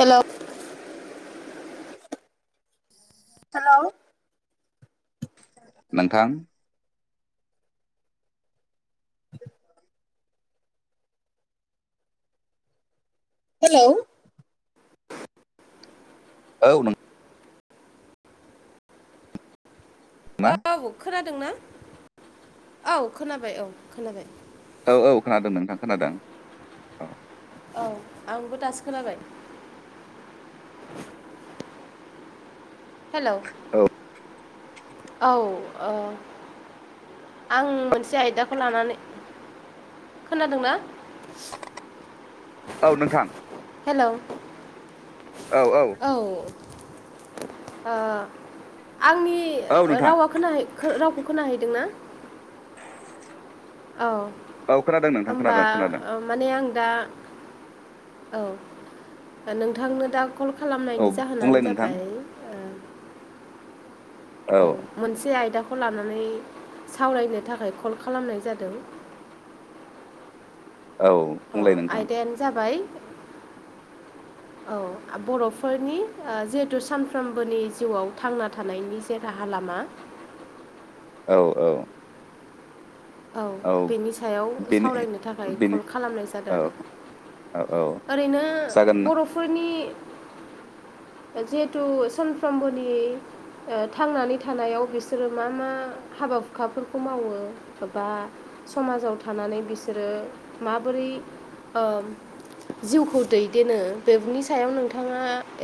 हेल'। [inaudible] Hello. नोंथां। Hello. औ नों ना औ खोनादोंना औ खोनाबाय औ खोनाबाय। औ औ खोनादों नोंथां खोनादों औ। औ आंबो दासो खोनाबाय। हेल' औ औ। आं मोनसे आयदाखौ लानानै खोनादोंना? औ नोंथां हेल'। औ आ आंनि औ नोंथां रावा रावखौ खोनाहैदों ना? [inaudible] औ औ खोनादों नोंथां होमबा खोनादों खोनादों माने आं दा औ नोंथांनो दा कल औ खालामनायनि जाहोनानो बुंलाय नोंथां जाबाय औ मोनसे आयदाखौ खौ लानानै सावरायनो थाखाय कल खालामनाय जादों। औ अ बुंलाय नोंथां आयदायानो जाबाय औ बर'फोरनि जिहेथु सानफ्रोमबोनि जिउआव थांना थानायनि जे राहा लालाम मा? औ औ। औ बेनि सायाव बेनो सावरायनो थाखाय बेनो कल खालामनाय जादों औ आरो औ औ ओरैनो जागोन बर'फोरनि जिहेतु सनफ्रामबोनि थांनानै थानायाव बिसोरो मा मा हाबा हुखाफोरखौ मावो बा समाजाव थानानै बिसोरो माबोरै? जिउखौ दैदेनो बेनि सायाव नोंथाङा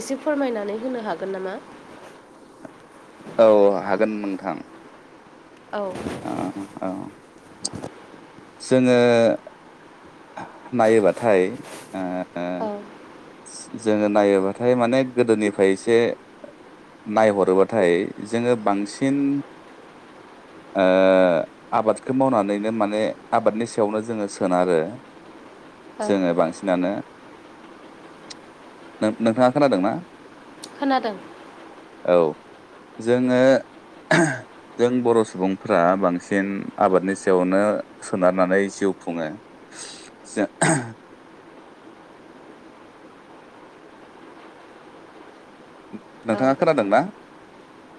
एसे फोरमायनानै होनो हागोन नामा [inaudible] औ हागोन नोंथां। औ ओ औ। जोङो नायोबाथाय औ जोङो नायोबाथाय माने गोदोनिफ्राय एसे नायहरोबाथाय जोङो बांसिन आबादखौ मावनानैनो माने आबादनि सायावनो जोङो सोनारो औ जोङो बांसिनानो नोंथाङा खोनादोंना? खोनादों। औ जोङो जों बर' सुबुंफ्रा बांसिन आबादनि सायावनो सोनारनानै जिउ खुङो। से नोंथाङा खोनादोंना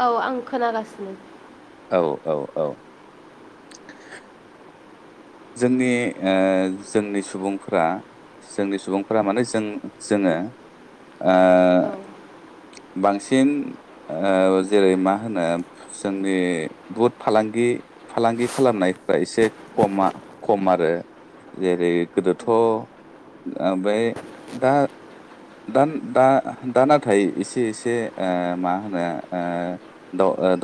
औ औ आं खोनागासिनो औ औ औ। जोंनि जोंनि सुबुंफोरा जोंनि सुबुंफोरा माने जों जोङो औ बांसिन जेरै मा होनो जोंनि भुट फालांगि फालांगि खालामनायफ एसे खमा खम आरो जेरै गोदोथ' ओमफ्राय दा द दा दा नाथाय एसे एसे मा होनो द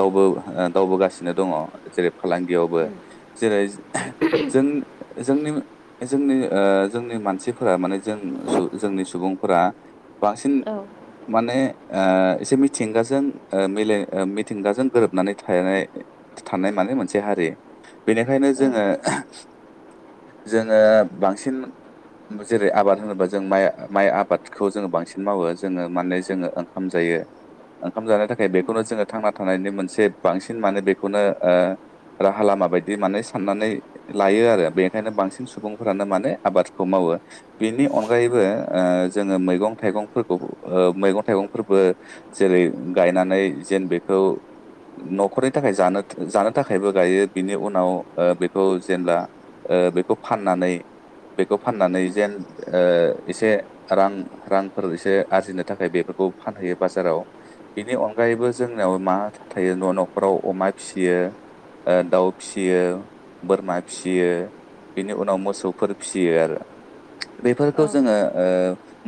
दावगासिनो दङ जेरै फालांगियावबो जेरै जों जोंनि जोंनि जोंनि मानसिफोरा माने जों जोंनि सुबुं फोर बांसिन औ माने एसे मिथिंगाजों मिल मिथिंगाजों गोरोबनानै थानाय थानाय मान मोनसे हारि बेनिखायनो औ जोङो [inaudible] जोङो बांसिन जेरै आबाद होनोबा जों माइ माइ आबादखौ जोङो बांसिन मावो जोङो माने जोङो ओंखाम जायो ओंखाम जानो थाखाय बेखौनो जोङो थांना थानायनि मोनसे बांसिन माने बेखौनोओ राहा लामा बायदि माने साननानै लायो आरो बेनिखायनो बांसिन सुबुंफोरानो माने आबादखौ मावो बेनि अनगायैबो जोङो मैगं थाइगंफोरखौओ मैं थाइगं फोरबो जेरै गायनानै जेन बे खौ न'खरनि थाखाय जानो जानो थाखायबो गायो बिनि उनाव ओ बेखौ जेब्ला ओ बेखौ फाननानै बेखौ फाननानै जेन ओ एसे रां रांफोर एसे आरजिनो थाखाय बेबो खौ फानहैयो बाजाराव बेनि अनगायैबो जोंनयाव मा थायो न' न'खराव अमा फिसियो दाउ फिसियो बोरमा फियो बेनि उनाव मोसौफोर फिसियो आरो। बेफोरखौ जोङो औ ओ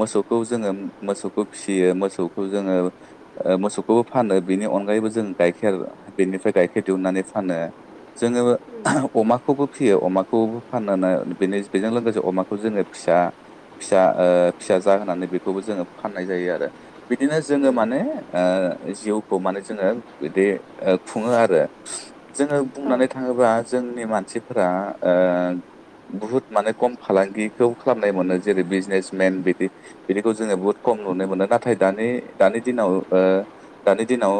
मोसौखौ जोङो मोसौखौ फिसियो मोसौखौ जोङो मोसौखौबो फानो बिनि अनगायै यैबो जों गाइखेर बेनिफ्राय गाइखेर दिहुननानै फानो जोङो अमाखौबो फियो अमाखौबो फानो बेनि बेजों लोगोसे अमाखौ जोङो फिसा फिसा ओ फिसा ज होनानै बेखौबो जोङो फाननाय जायो आरो बिदिनो जोङो माने ओ ओ जिउखौ माने जोङो बिदिओ खुङो आरो। जोङो औ बुंनानै थाङोबा जोंनि मानसिफोरा ओ बुहुत माने खम फालांगिखौ खालामनाय मोनो जेरै बिजनेसमेन बिदि बिदिखौ जोङो बहुत खम खम नुनो मोनो नाथाय दानि दानि दिनाव दानि दिनाव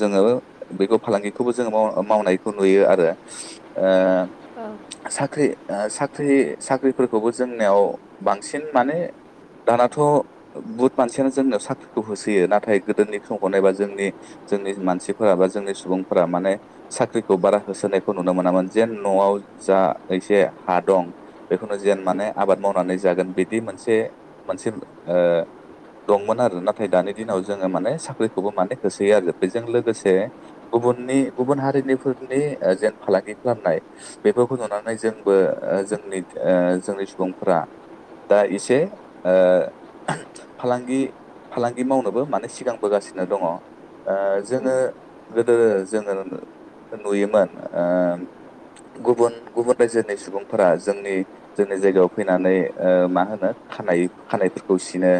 जोङो बेखौ फालांगिखौबो जोङो मावनायखौ नुयो आरो। ओ साख्रि ओ साख्रि साख्रिफोरखौबो जोंनियाव बांसिन माने दानाथ' बुहुत मानसियानो जोंनियाव साख्रिखौ होसोयो नाथाय गोदोनि समखौ नायबा जोंनि जोंनि मानसिफोरा बा जोंनि सुबुंफोरा माने साख्रिखौ बारा होसोनायखौ खौ नुनो मोनामोन जे न'आव जा एसे हा दं बेखौनो जेन माने आबाद मावनानै जागोन बिदि मोनसे मोनसे ओ दंमोन आरो नाथाय दानि दिनाव जोङो माने साख्रिखौबो माने होसोयो आरो बेजों लोगोसे गुबुन गुबुननि गुबुन हारिनिफोरनि जेन फालांगि खालामनाय बेफोरखौ नुनानै जोंबो जोंनि ओ जोंनि सुबुंफोरा दा एसे ओ फालांगि फालांगि मावनोबो माने सिगांबोगासिनो दङ। ओ जोङो गोदो जोङो नुयोमोन ओ [inaudible] गुबुन गुबुन रायजोनि सुबुंफोरा जोंनि जोंनि जायगायाव फैनानै ओ मा होनो खानाय खानायफोरखौ सिनो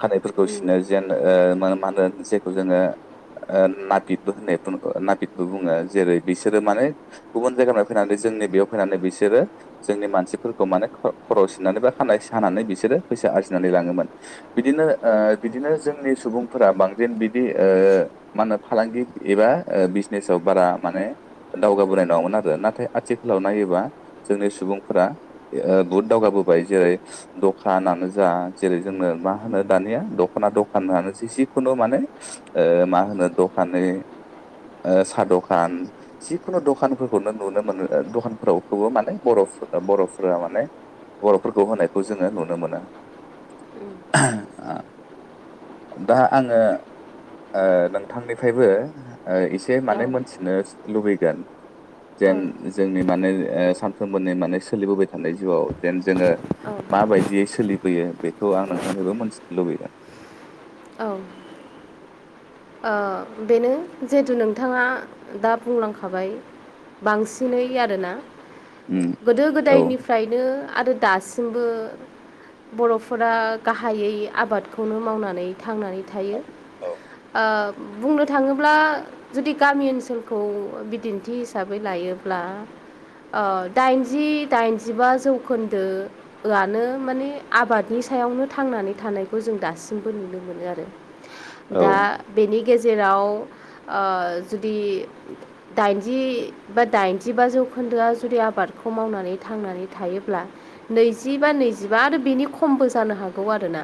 खानायफोरखौ उम सिनो जेन ओ मा होनो जेखौ जोंओ ओ नाफिदबो होननाय नाफिदबो बुङो जेरै बिस माने गुबुन जायगानिफाय फैनानै जोंनि बेयाव फैनानै बिसोरो जोंनि मानसिफोरखौ मान ख' खर' सिननानैनानै बा खानाय हानानै बिसोरो फैसा आरजिनानै लांओमोन ओ बिदिनो जोंनि सुबुं फोरा बांसिन बिदि ओ मा होनो फालांगि एबा बिजनेसाव बारा माने दावगाबोनाय नङामोन आरो नाथाय आथिखालाव नायोबा जोंनि सुबुंफोरा बहुत दावगाबो बाय जेरै दखानानो जा जेरै जोंनो मा होनो दानिया दखना दखानानो जिखुनु माने ओ मा होनो दखान साहा दखान जिखुनु दखानफोरखौनो नुनो मोनो दखानफोरावखौबो माने बर' बर'फोरा माने बर'फोरखौ होनायखौ जोङो नुनो मोनो। दा आङो ओ नोंथांनिफ्रायबो ओ एसे औ माने मोनथिनो लुबैगोन। औ जेन जोंनि माने ओ सानफ्रोमबोनि माने सोलिबोबाय थानाय जिउआव जेन जोङो माबायदियै सोलिबोयो बेखौ आं नोंथांनिबो मोनथिनो लुबैदों। औ। ओ बेनो जिहेथु नोंथाङा दा बुंलांखाबाय बांसिनै आरोना उम गोदो औ गोदायनिफ्रायनो आरो दासिम बो बर'फोरा गाहायै आबादखौनो मावनानै थांनानै थायो। औ ओ बुंनो थाङोब्ला जुदि गामि ओनसोलखौ बिदिन्थि हिसाबै लायोब्ला दा ओ दाइनजि दाइनजिबा जौखोन्दोआनो माने आबादनि सायावनो थांनानै थानायखौ जों दासिमबो नुनो मोनो आरो औ दा नि गेजेराव ओ जुदि दाइनजि बा दाइनजि बा जौखोन्दोआ जुदि आबाद खौ मावनानै थांनानै थायोब्ला नैजिबा नैजिबा आरो बेनि खमबो जानो हागौ आरोना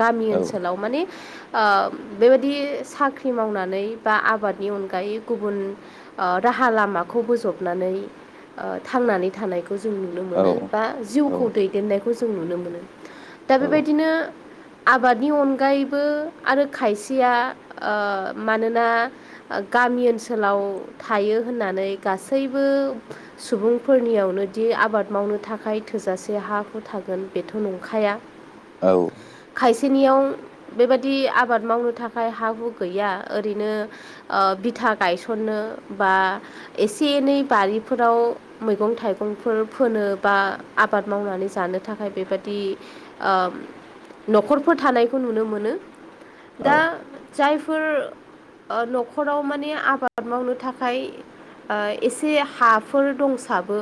गामि औ ओनसोलाव माने ओ बेबायदि साख्रि मावनानै बा आबादनि अनगायै गुबुन ओ राहा लामाखौ बोजबनानै नानै थांनानै थानायखौ खौ जों नुनो मोनो औ बा जिउखौ दैदेननायखौ जों नुनो मोनो। दा औ बेबायदिनो आबादनि अनगायैबो आरो खायसेया ओ मानोना गामि ओनसोलाव थायो होननानै गासैबो बो सुबुंफोरनियावनो दि आबाद मावनो थाखाय थोजासे हाखौ थागोन बेथ' नङा अखाया। औ। बिनियाव बेबायदि आबाद मावनो थाखाय हा हु गैया ओरैनो ओ बिथा गायसनो बा एसे एनै बारिफोराव मैगं थाइगंफोर फोनो बा आबाद मावनानै जानो थाखाय बेबाय दि ओ न'खरफोर थानायखौ नुनो मोनो औ दा जायफोर ओ न'खराव माने आबाद मावनो थाखाय ओ एसे हाफोर दंसाबो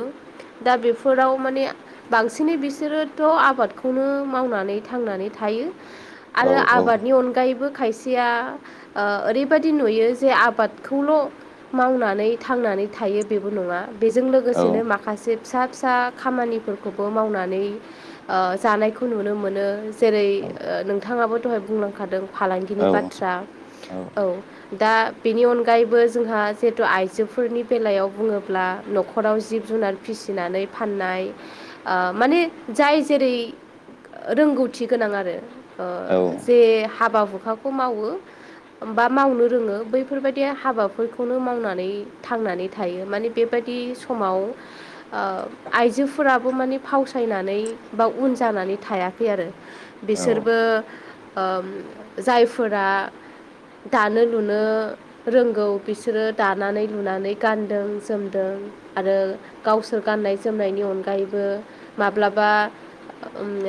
दा बेफोराव माने बांसिनै बिसोरोथ' आबादखौनो मावनानै थांनानै थायो। औ आरो आबादनि अनगायैबो खायसेया ओ ओरैबायदि नुयो जे आबादखौल' मावनानै थांनानै थायो बेबो नङा बेजों औ लोगोसेनो माखासे फिसा फिसा खामानिफोरखौबो मावनानै ओ जानायखौ नुनो मोनो जेरै ओ औ नोंथाङाबो दहाय बुंलांखादों औ फालांगिनि बाथ्रा औ ‌। दा बेनि अनगायैबो जोंहा जिहेथु आइजोफोरनि बेलायाव बुङोब्ला न'खराव जिब ज जुनार फिसिनानै फाननाय ओ माने जाय जेरै रोंगौथि गोनां आरो ओ औ जे हाबा हुखाखौ मावो बा मावनो रोङो बैफोरबायदि हाबाफोरखौनो मावनानै थांनानै थायो माने बेबायदि दि समाव ओ आइजोफोराबो माने फावसायनानै बा उन जाना नानै थायाखै आरो औ बिसोरबो ओ जायफोरा दानो लुनो रोंगौ बिसोरो दानानै लुनानै गानदों जोमदों आरो गावसोर गाननाय जोमनायनि अनगायैबो माब्लाबा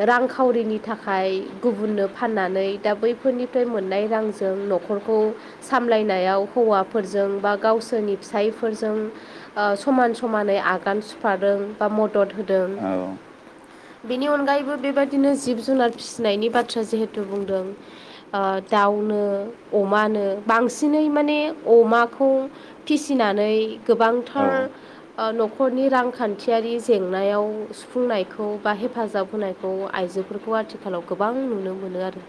रांखावरिनि थाखाय गुबुननो फाननानै दा बैफोरनि फ्राय मोननाय रांजों न'खरखौ सामलायनायाव हौवाफोरजों बा गावसोरनि फिसाय फोरजों ओ समान समानै आगान सुरफादों बा मदद होदों। बेनि अनगायैबो बेबादिनो जिब जुनार फिसिनायनि बाथ्रा जिहेथु बुंदों ओ दाउनो अमानो बांसिनै माने अमाखौ फिसिनानै नानै औ गोबांथार ओ नखर न'खरनि रांखान्थियारि जेंनायाव सुफुंनायखौ बा हेफाजाब होनायखौ आइजोफोरखौ आथिखालाव गोबां नुनो मोनो आरो।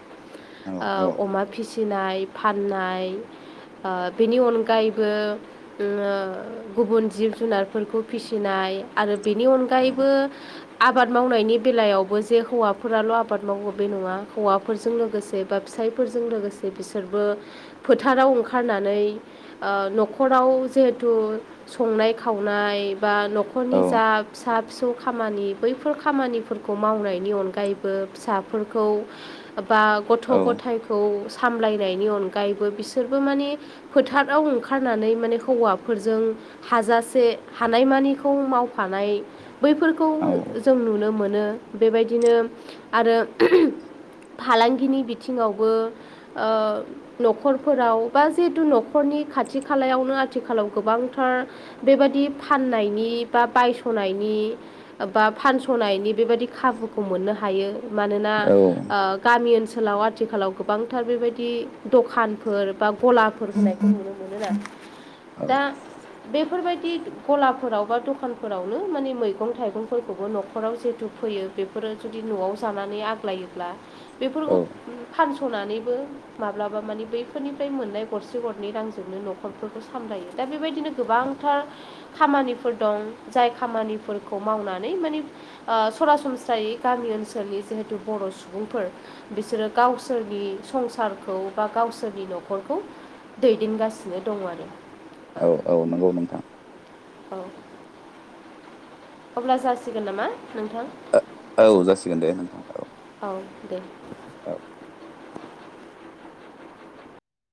ओ अमा फिसिनाय फाननाय ओ बेनि अनगायैबो ओ गुबुन जिब जुनारफोरखौ फिसिनाय आरो बेनि अनगायैबो आबाद मावनायनि बेलायावबो जे हौवाफोराल' आबाद मावो बे नङा हौवाफोरजों लोगोसे बा फिसायफोरजों लोगोसे बिसोरबो फोथाराव ओंखारनानै ओ न'खराव खौ जिहेथु संनाय खावनाय बा न'ख'रनि जा फिसा फिसौ खामानि बैफोर खामानिफोरखौ मावनायनि अनगायैबो फिसाफोरखौ बा गथ' औ गथायखौ सामलायनायनि अनगायैबो बिसोरबो माने फोथाराव ओंखारनानै माने हौवाफोरजों हाजासे हानायमानिखौ मावफानाय बैफोरखौ जों नुनो मोनो। बेबायदिनो आरो फालांगिनि बि आथिङावबो ओ न'खरफोराव बा जिहेतु न'खरनि खाथि खालायावनो आथिखालाव गोबांथार बेबायदि फाननायनि बा बायस'नायनि बा फानस'नायनि बेबायदि खाबुखौ मोननो हायो मानोना गामि ओनसोलाव आथिखालाव गोबांथार बेबायदि दखानफोर बा गलाफोर होनायखौ नुनो मोनो आरो। दा बेफोरबायदि गलाफोराव बा दखानफोरावनो माने मैगं थाइगंफोरखौबो न'खराव जिहेथु फैयो बेफोरो जुदि न'आव जानानै आग्लायोब्ला औ बेफोरखौ फानस'नानैबो माब्लाबा मानिे बैफोरनिफ्राय मोननाय गरसे गरनै रांजोंनो न'खरफोरखौ सामलायो। दा बेबायदिनो गोबांथार खामानिफोर दं जाय खामानिफोरखौ मावनानै माने ओ सरासनस्रायै गामि ओनसोलनि जिहेथु बर' सुबुंफोर बिसोरो गावसोरनि संसारखौ बा गावसोरनि न'खरखौ दैदेनगासिनो दं आरो। औ औ नंगौ नोंथां। औ अब्ला जासिगोन नामा नोंथां? औ जासिगोन दे नोंथां औ औ।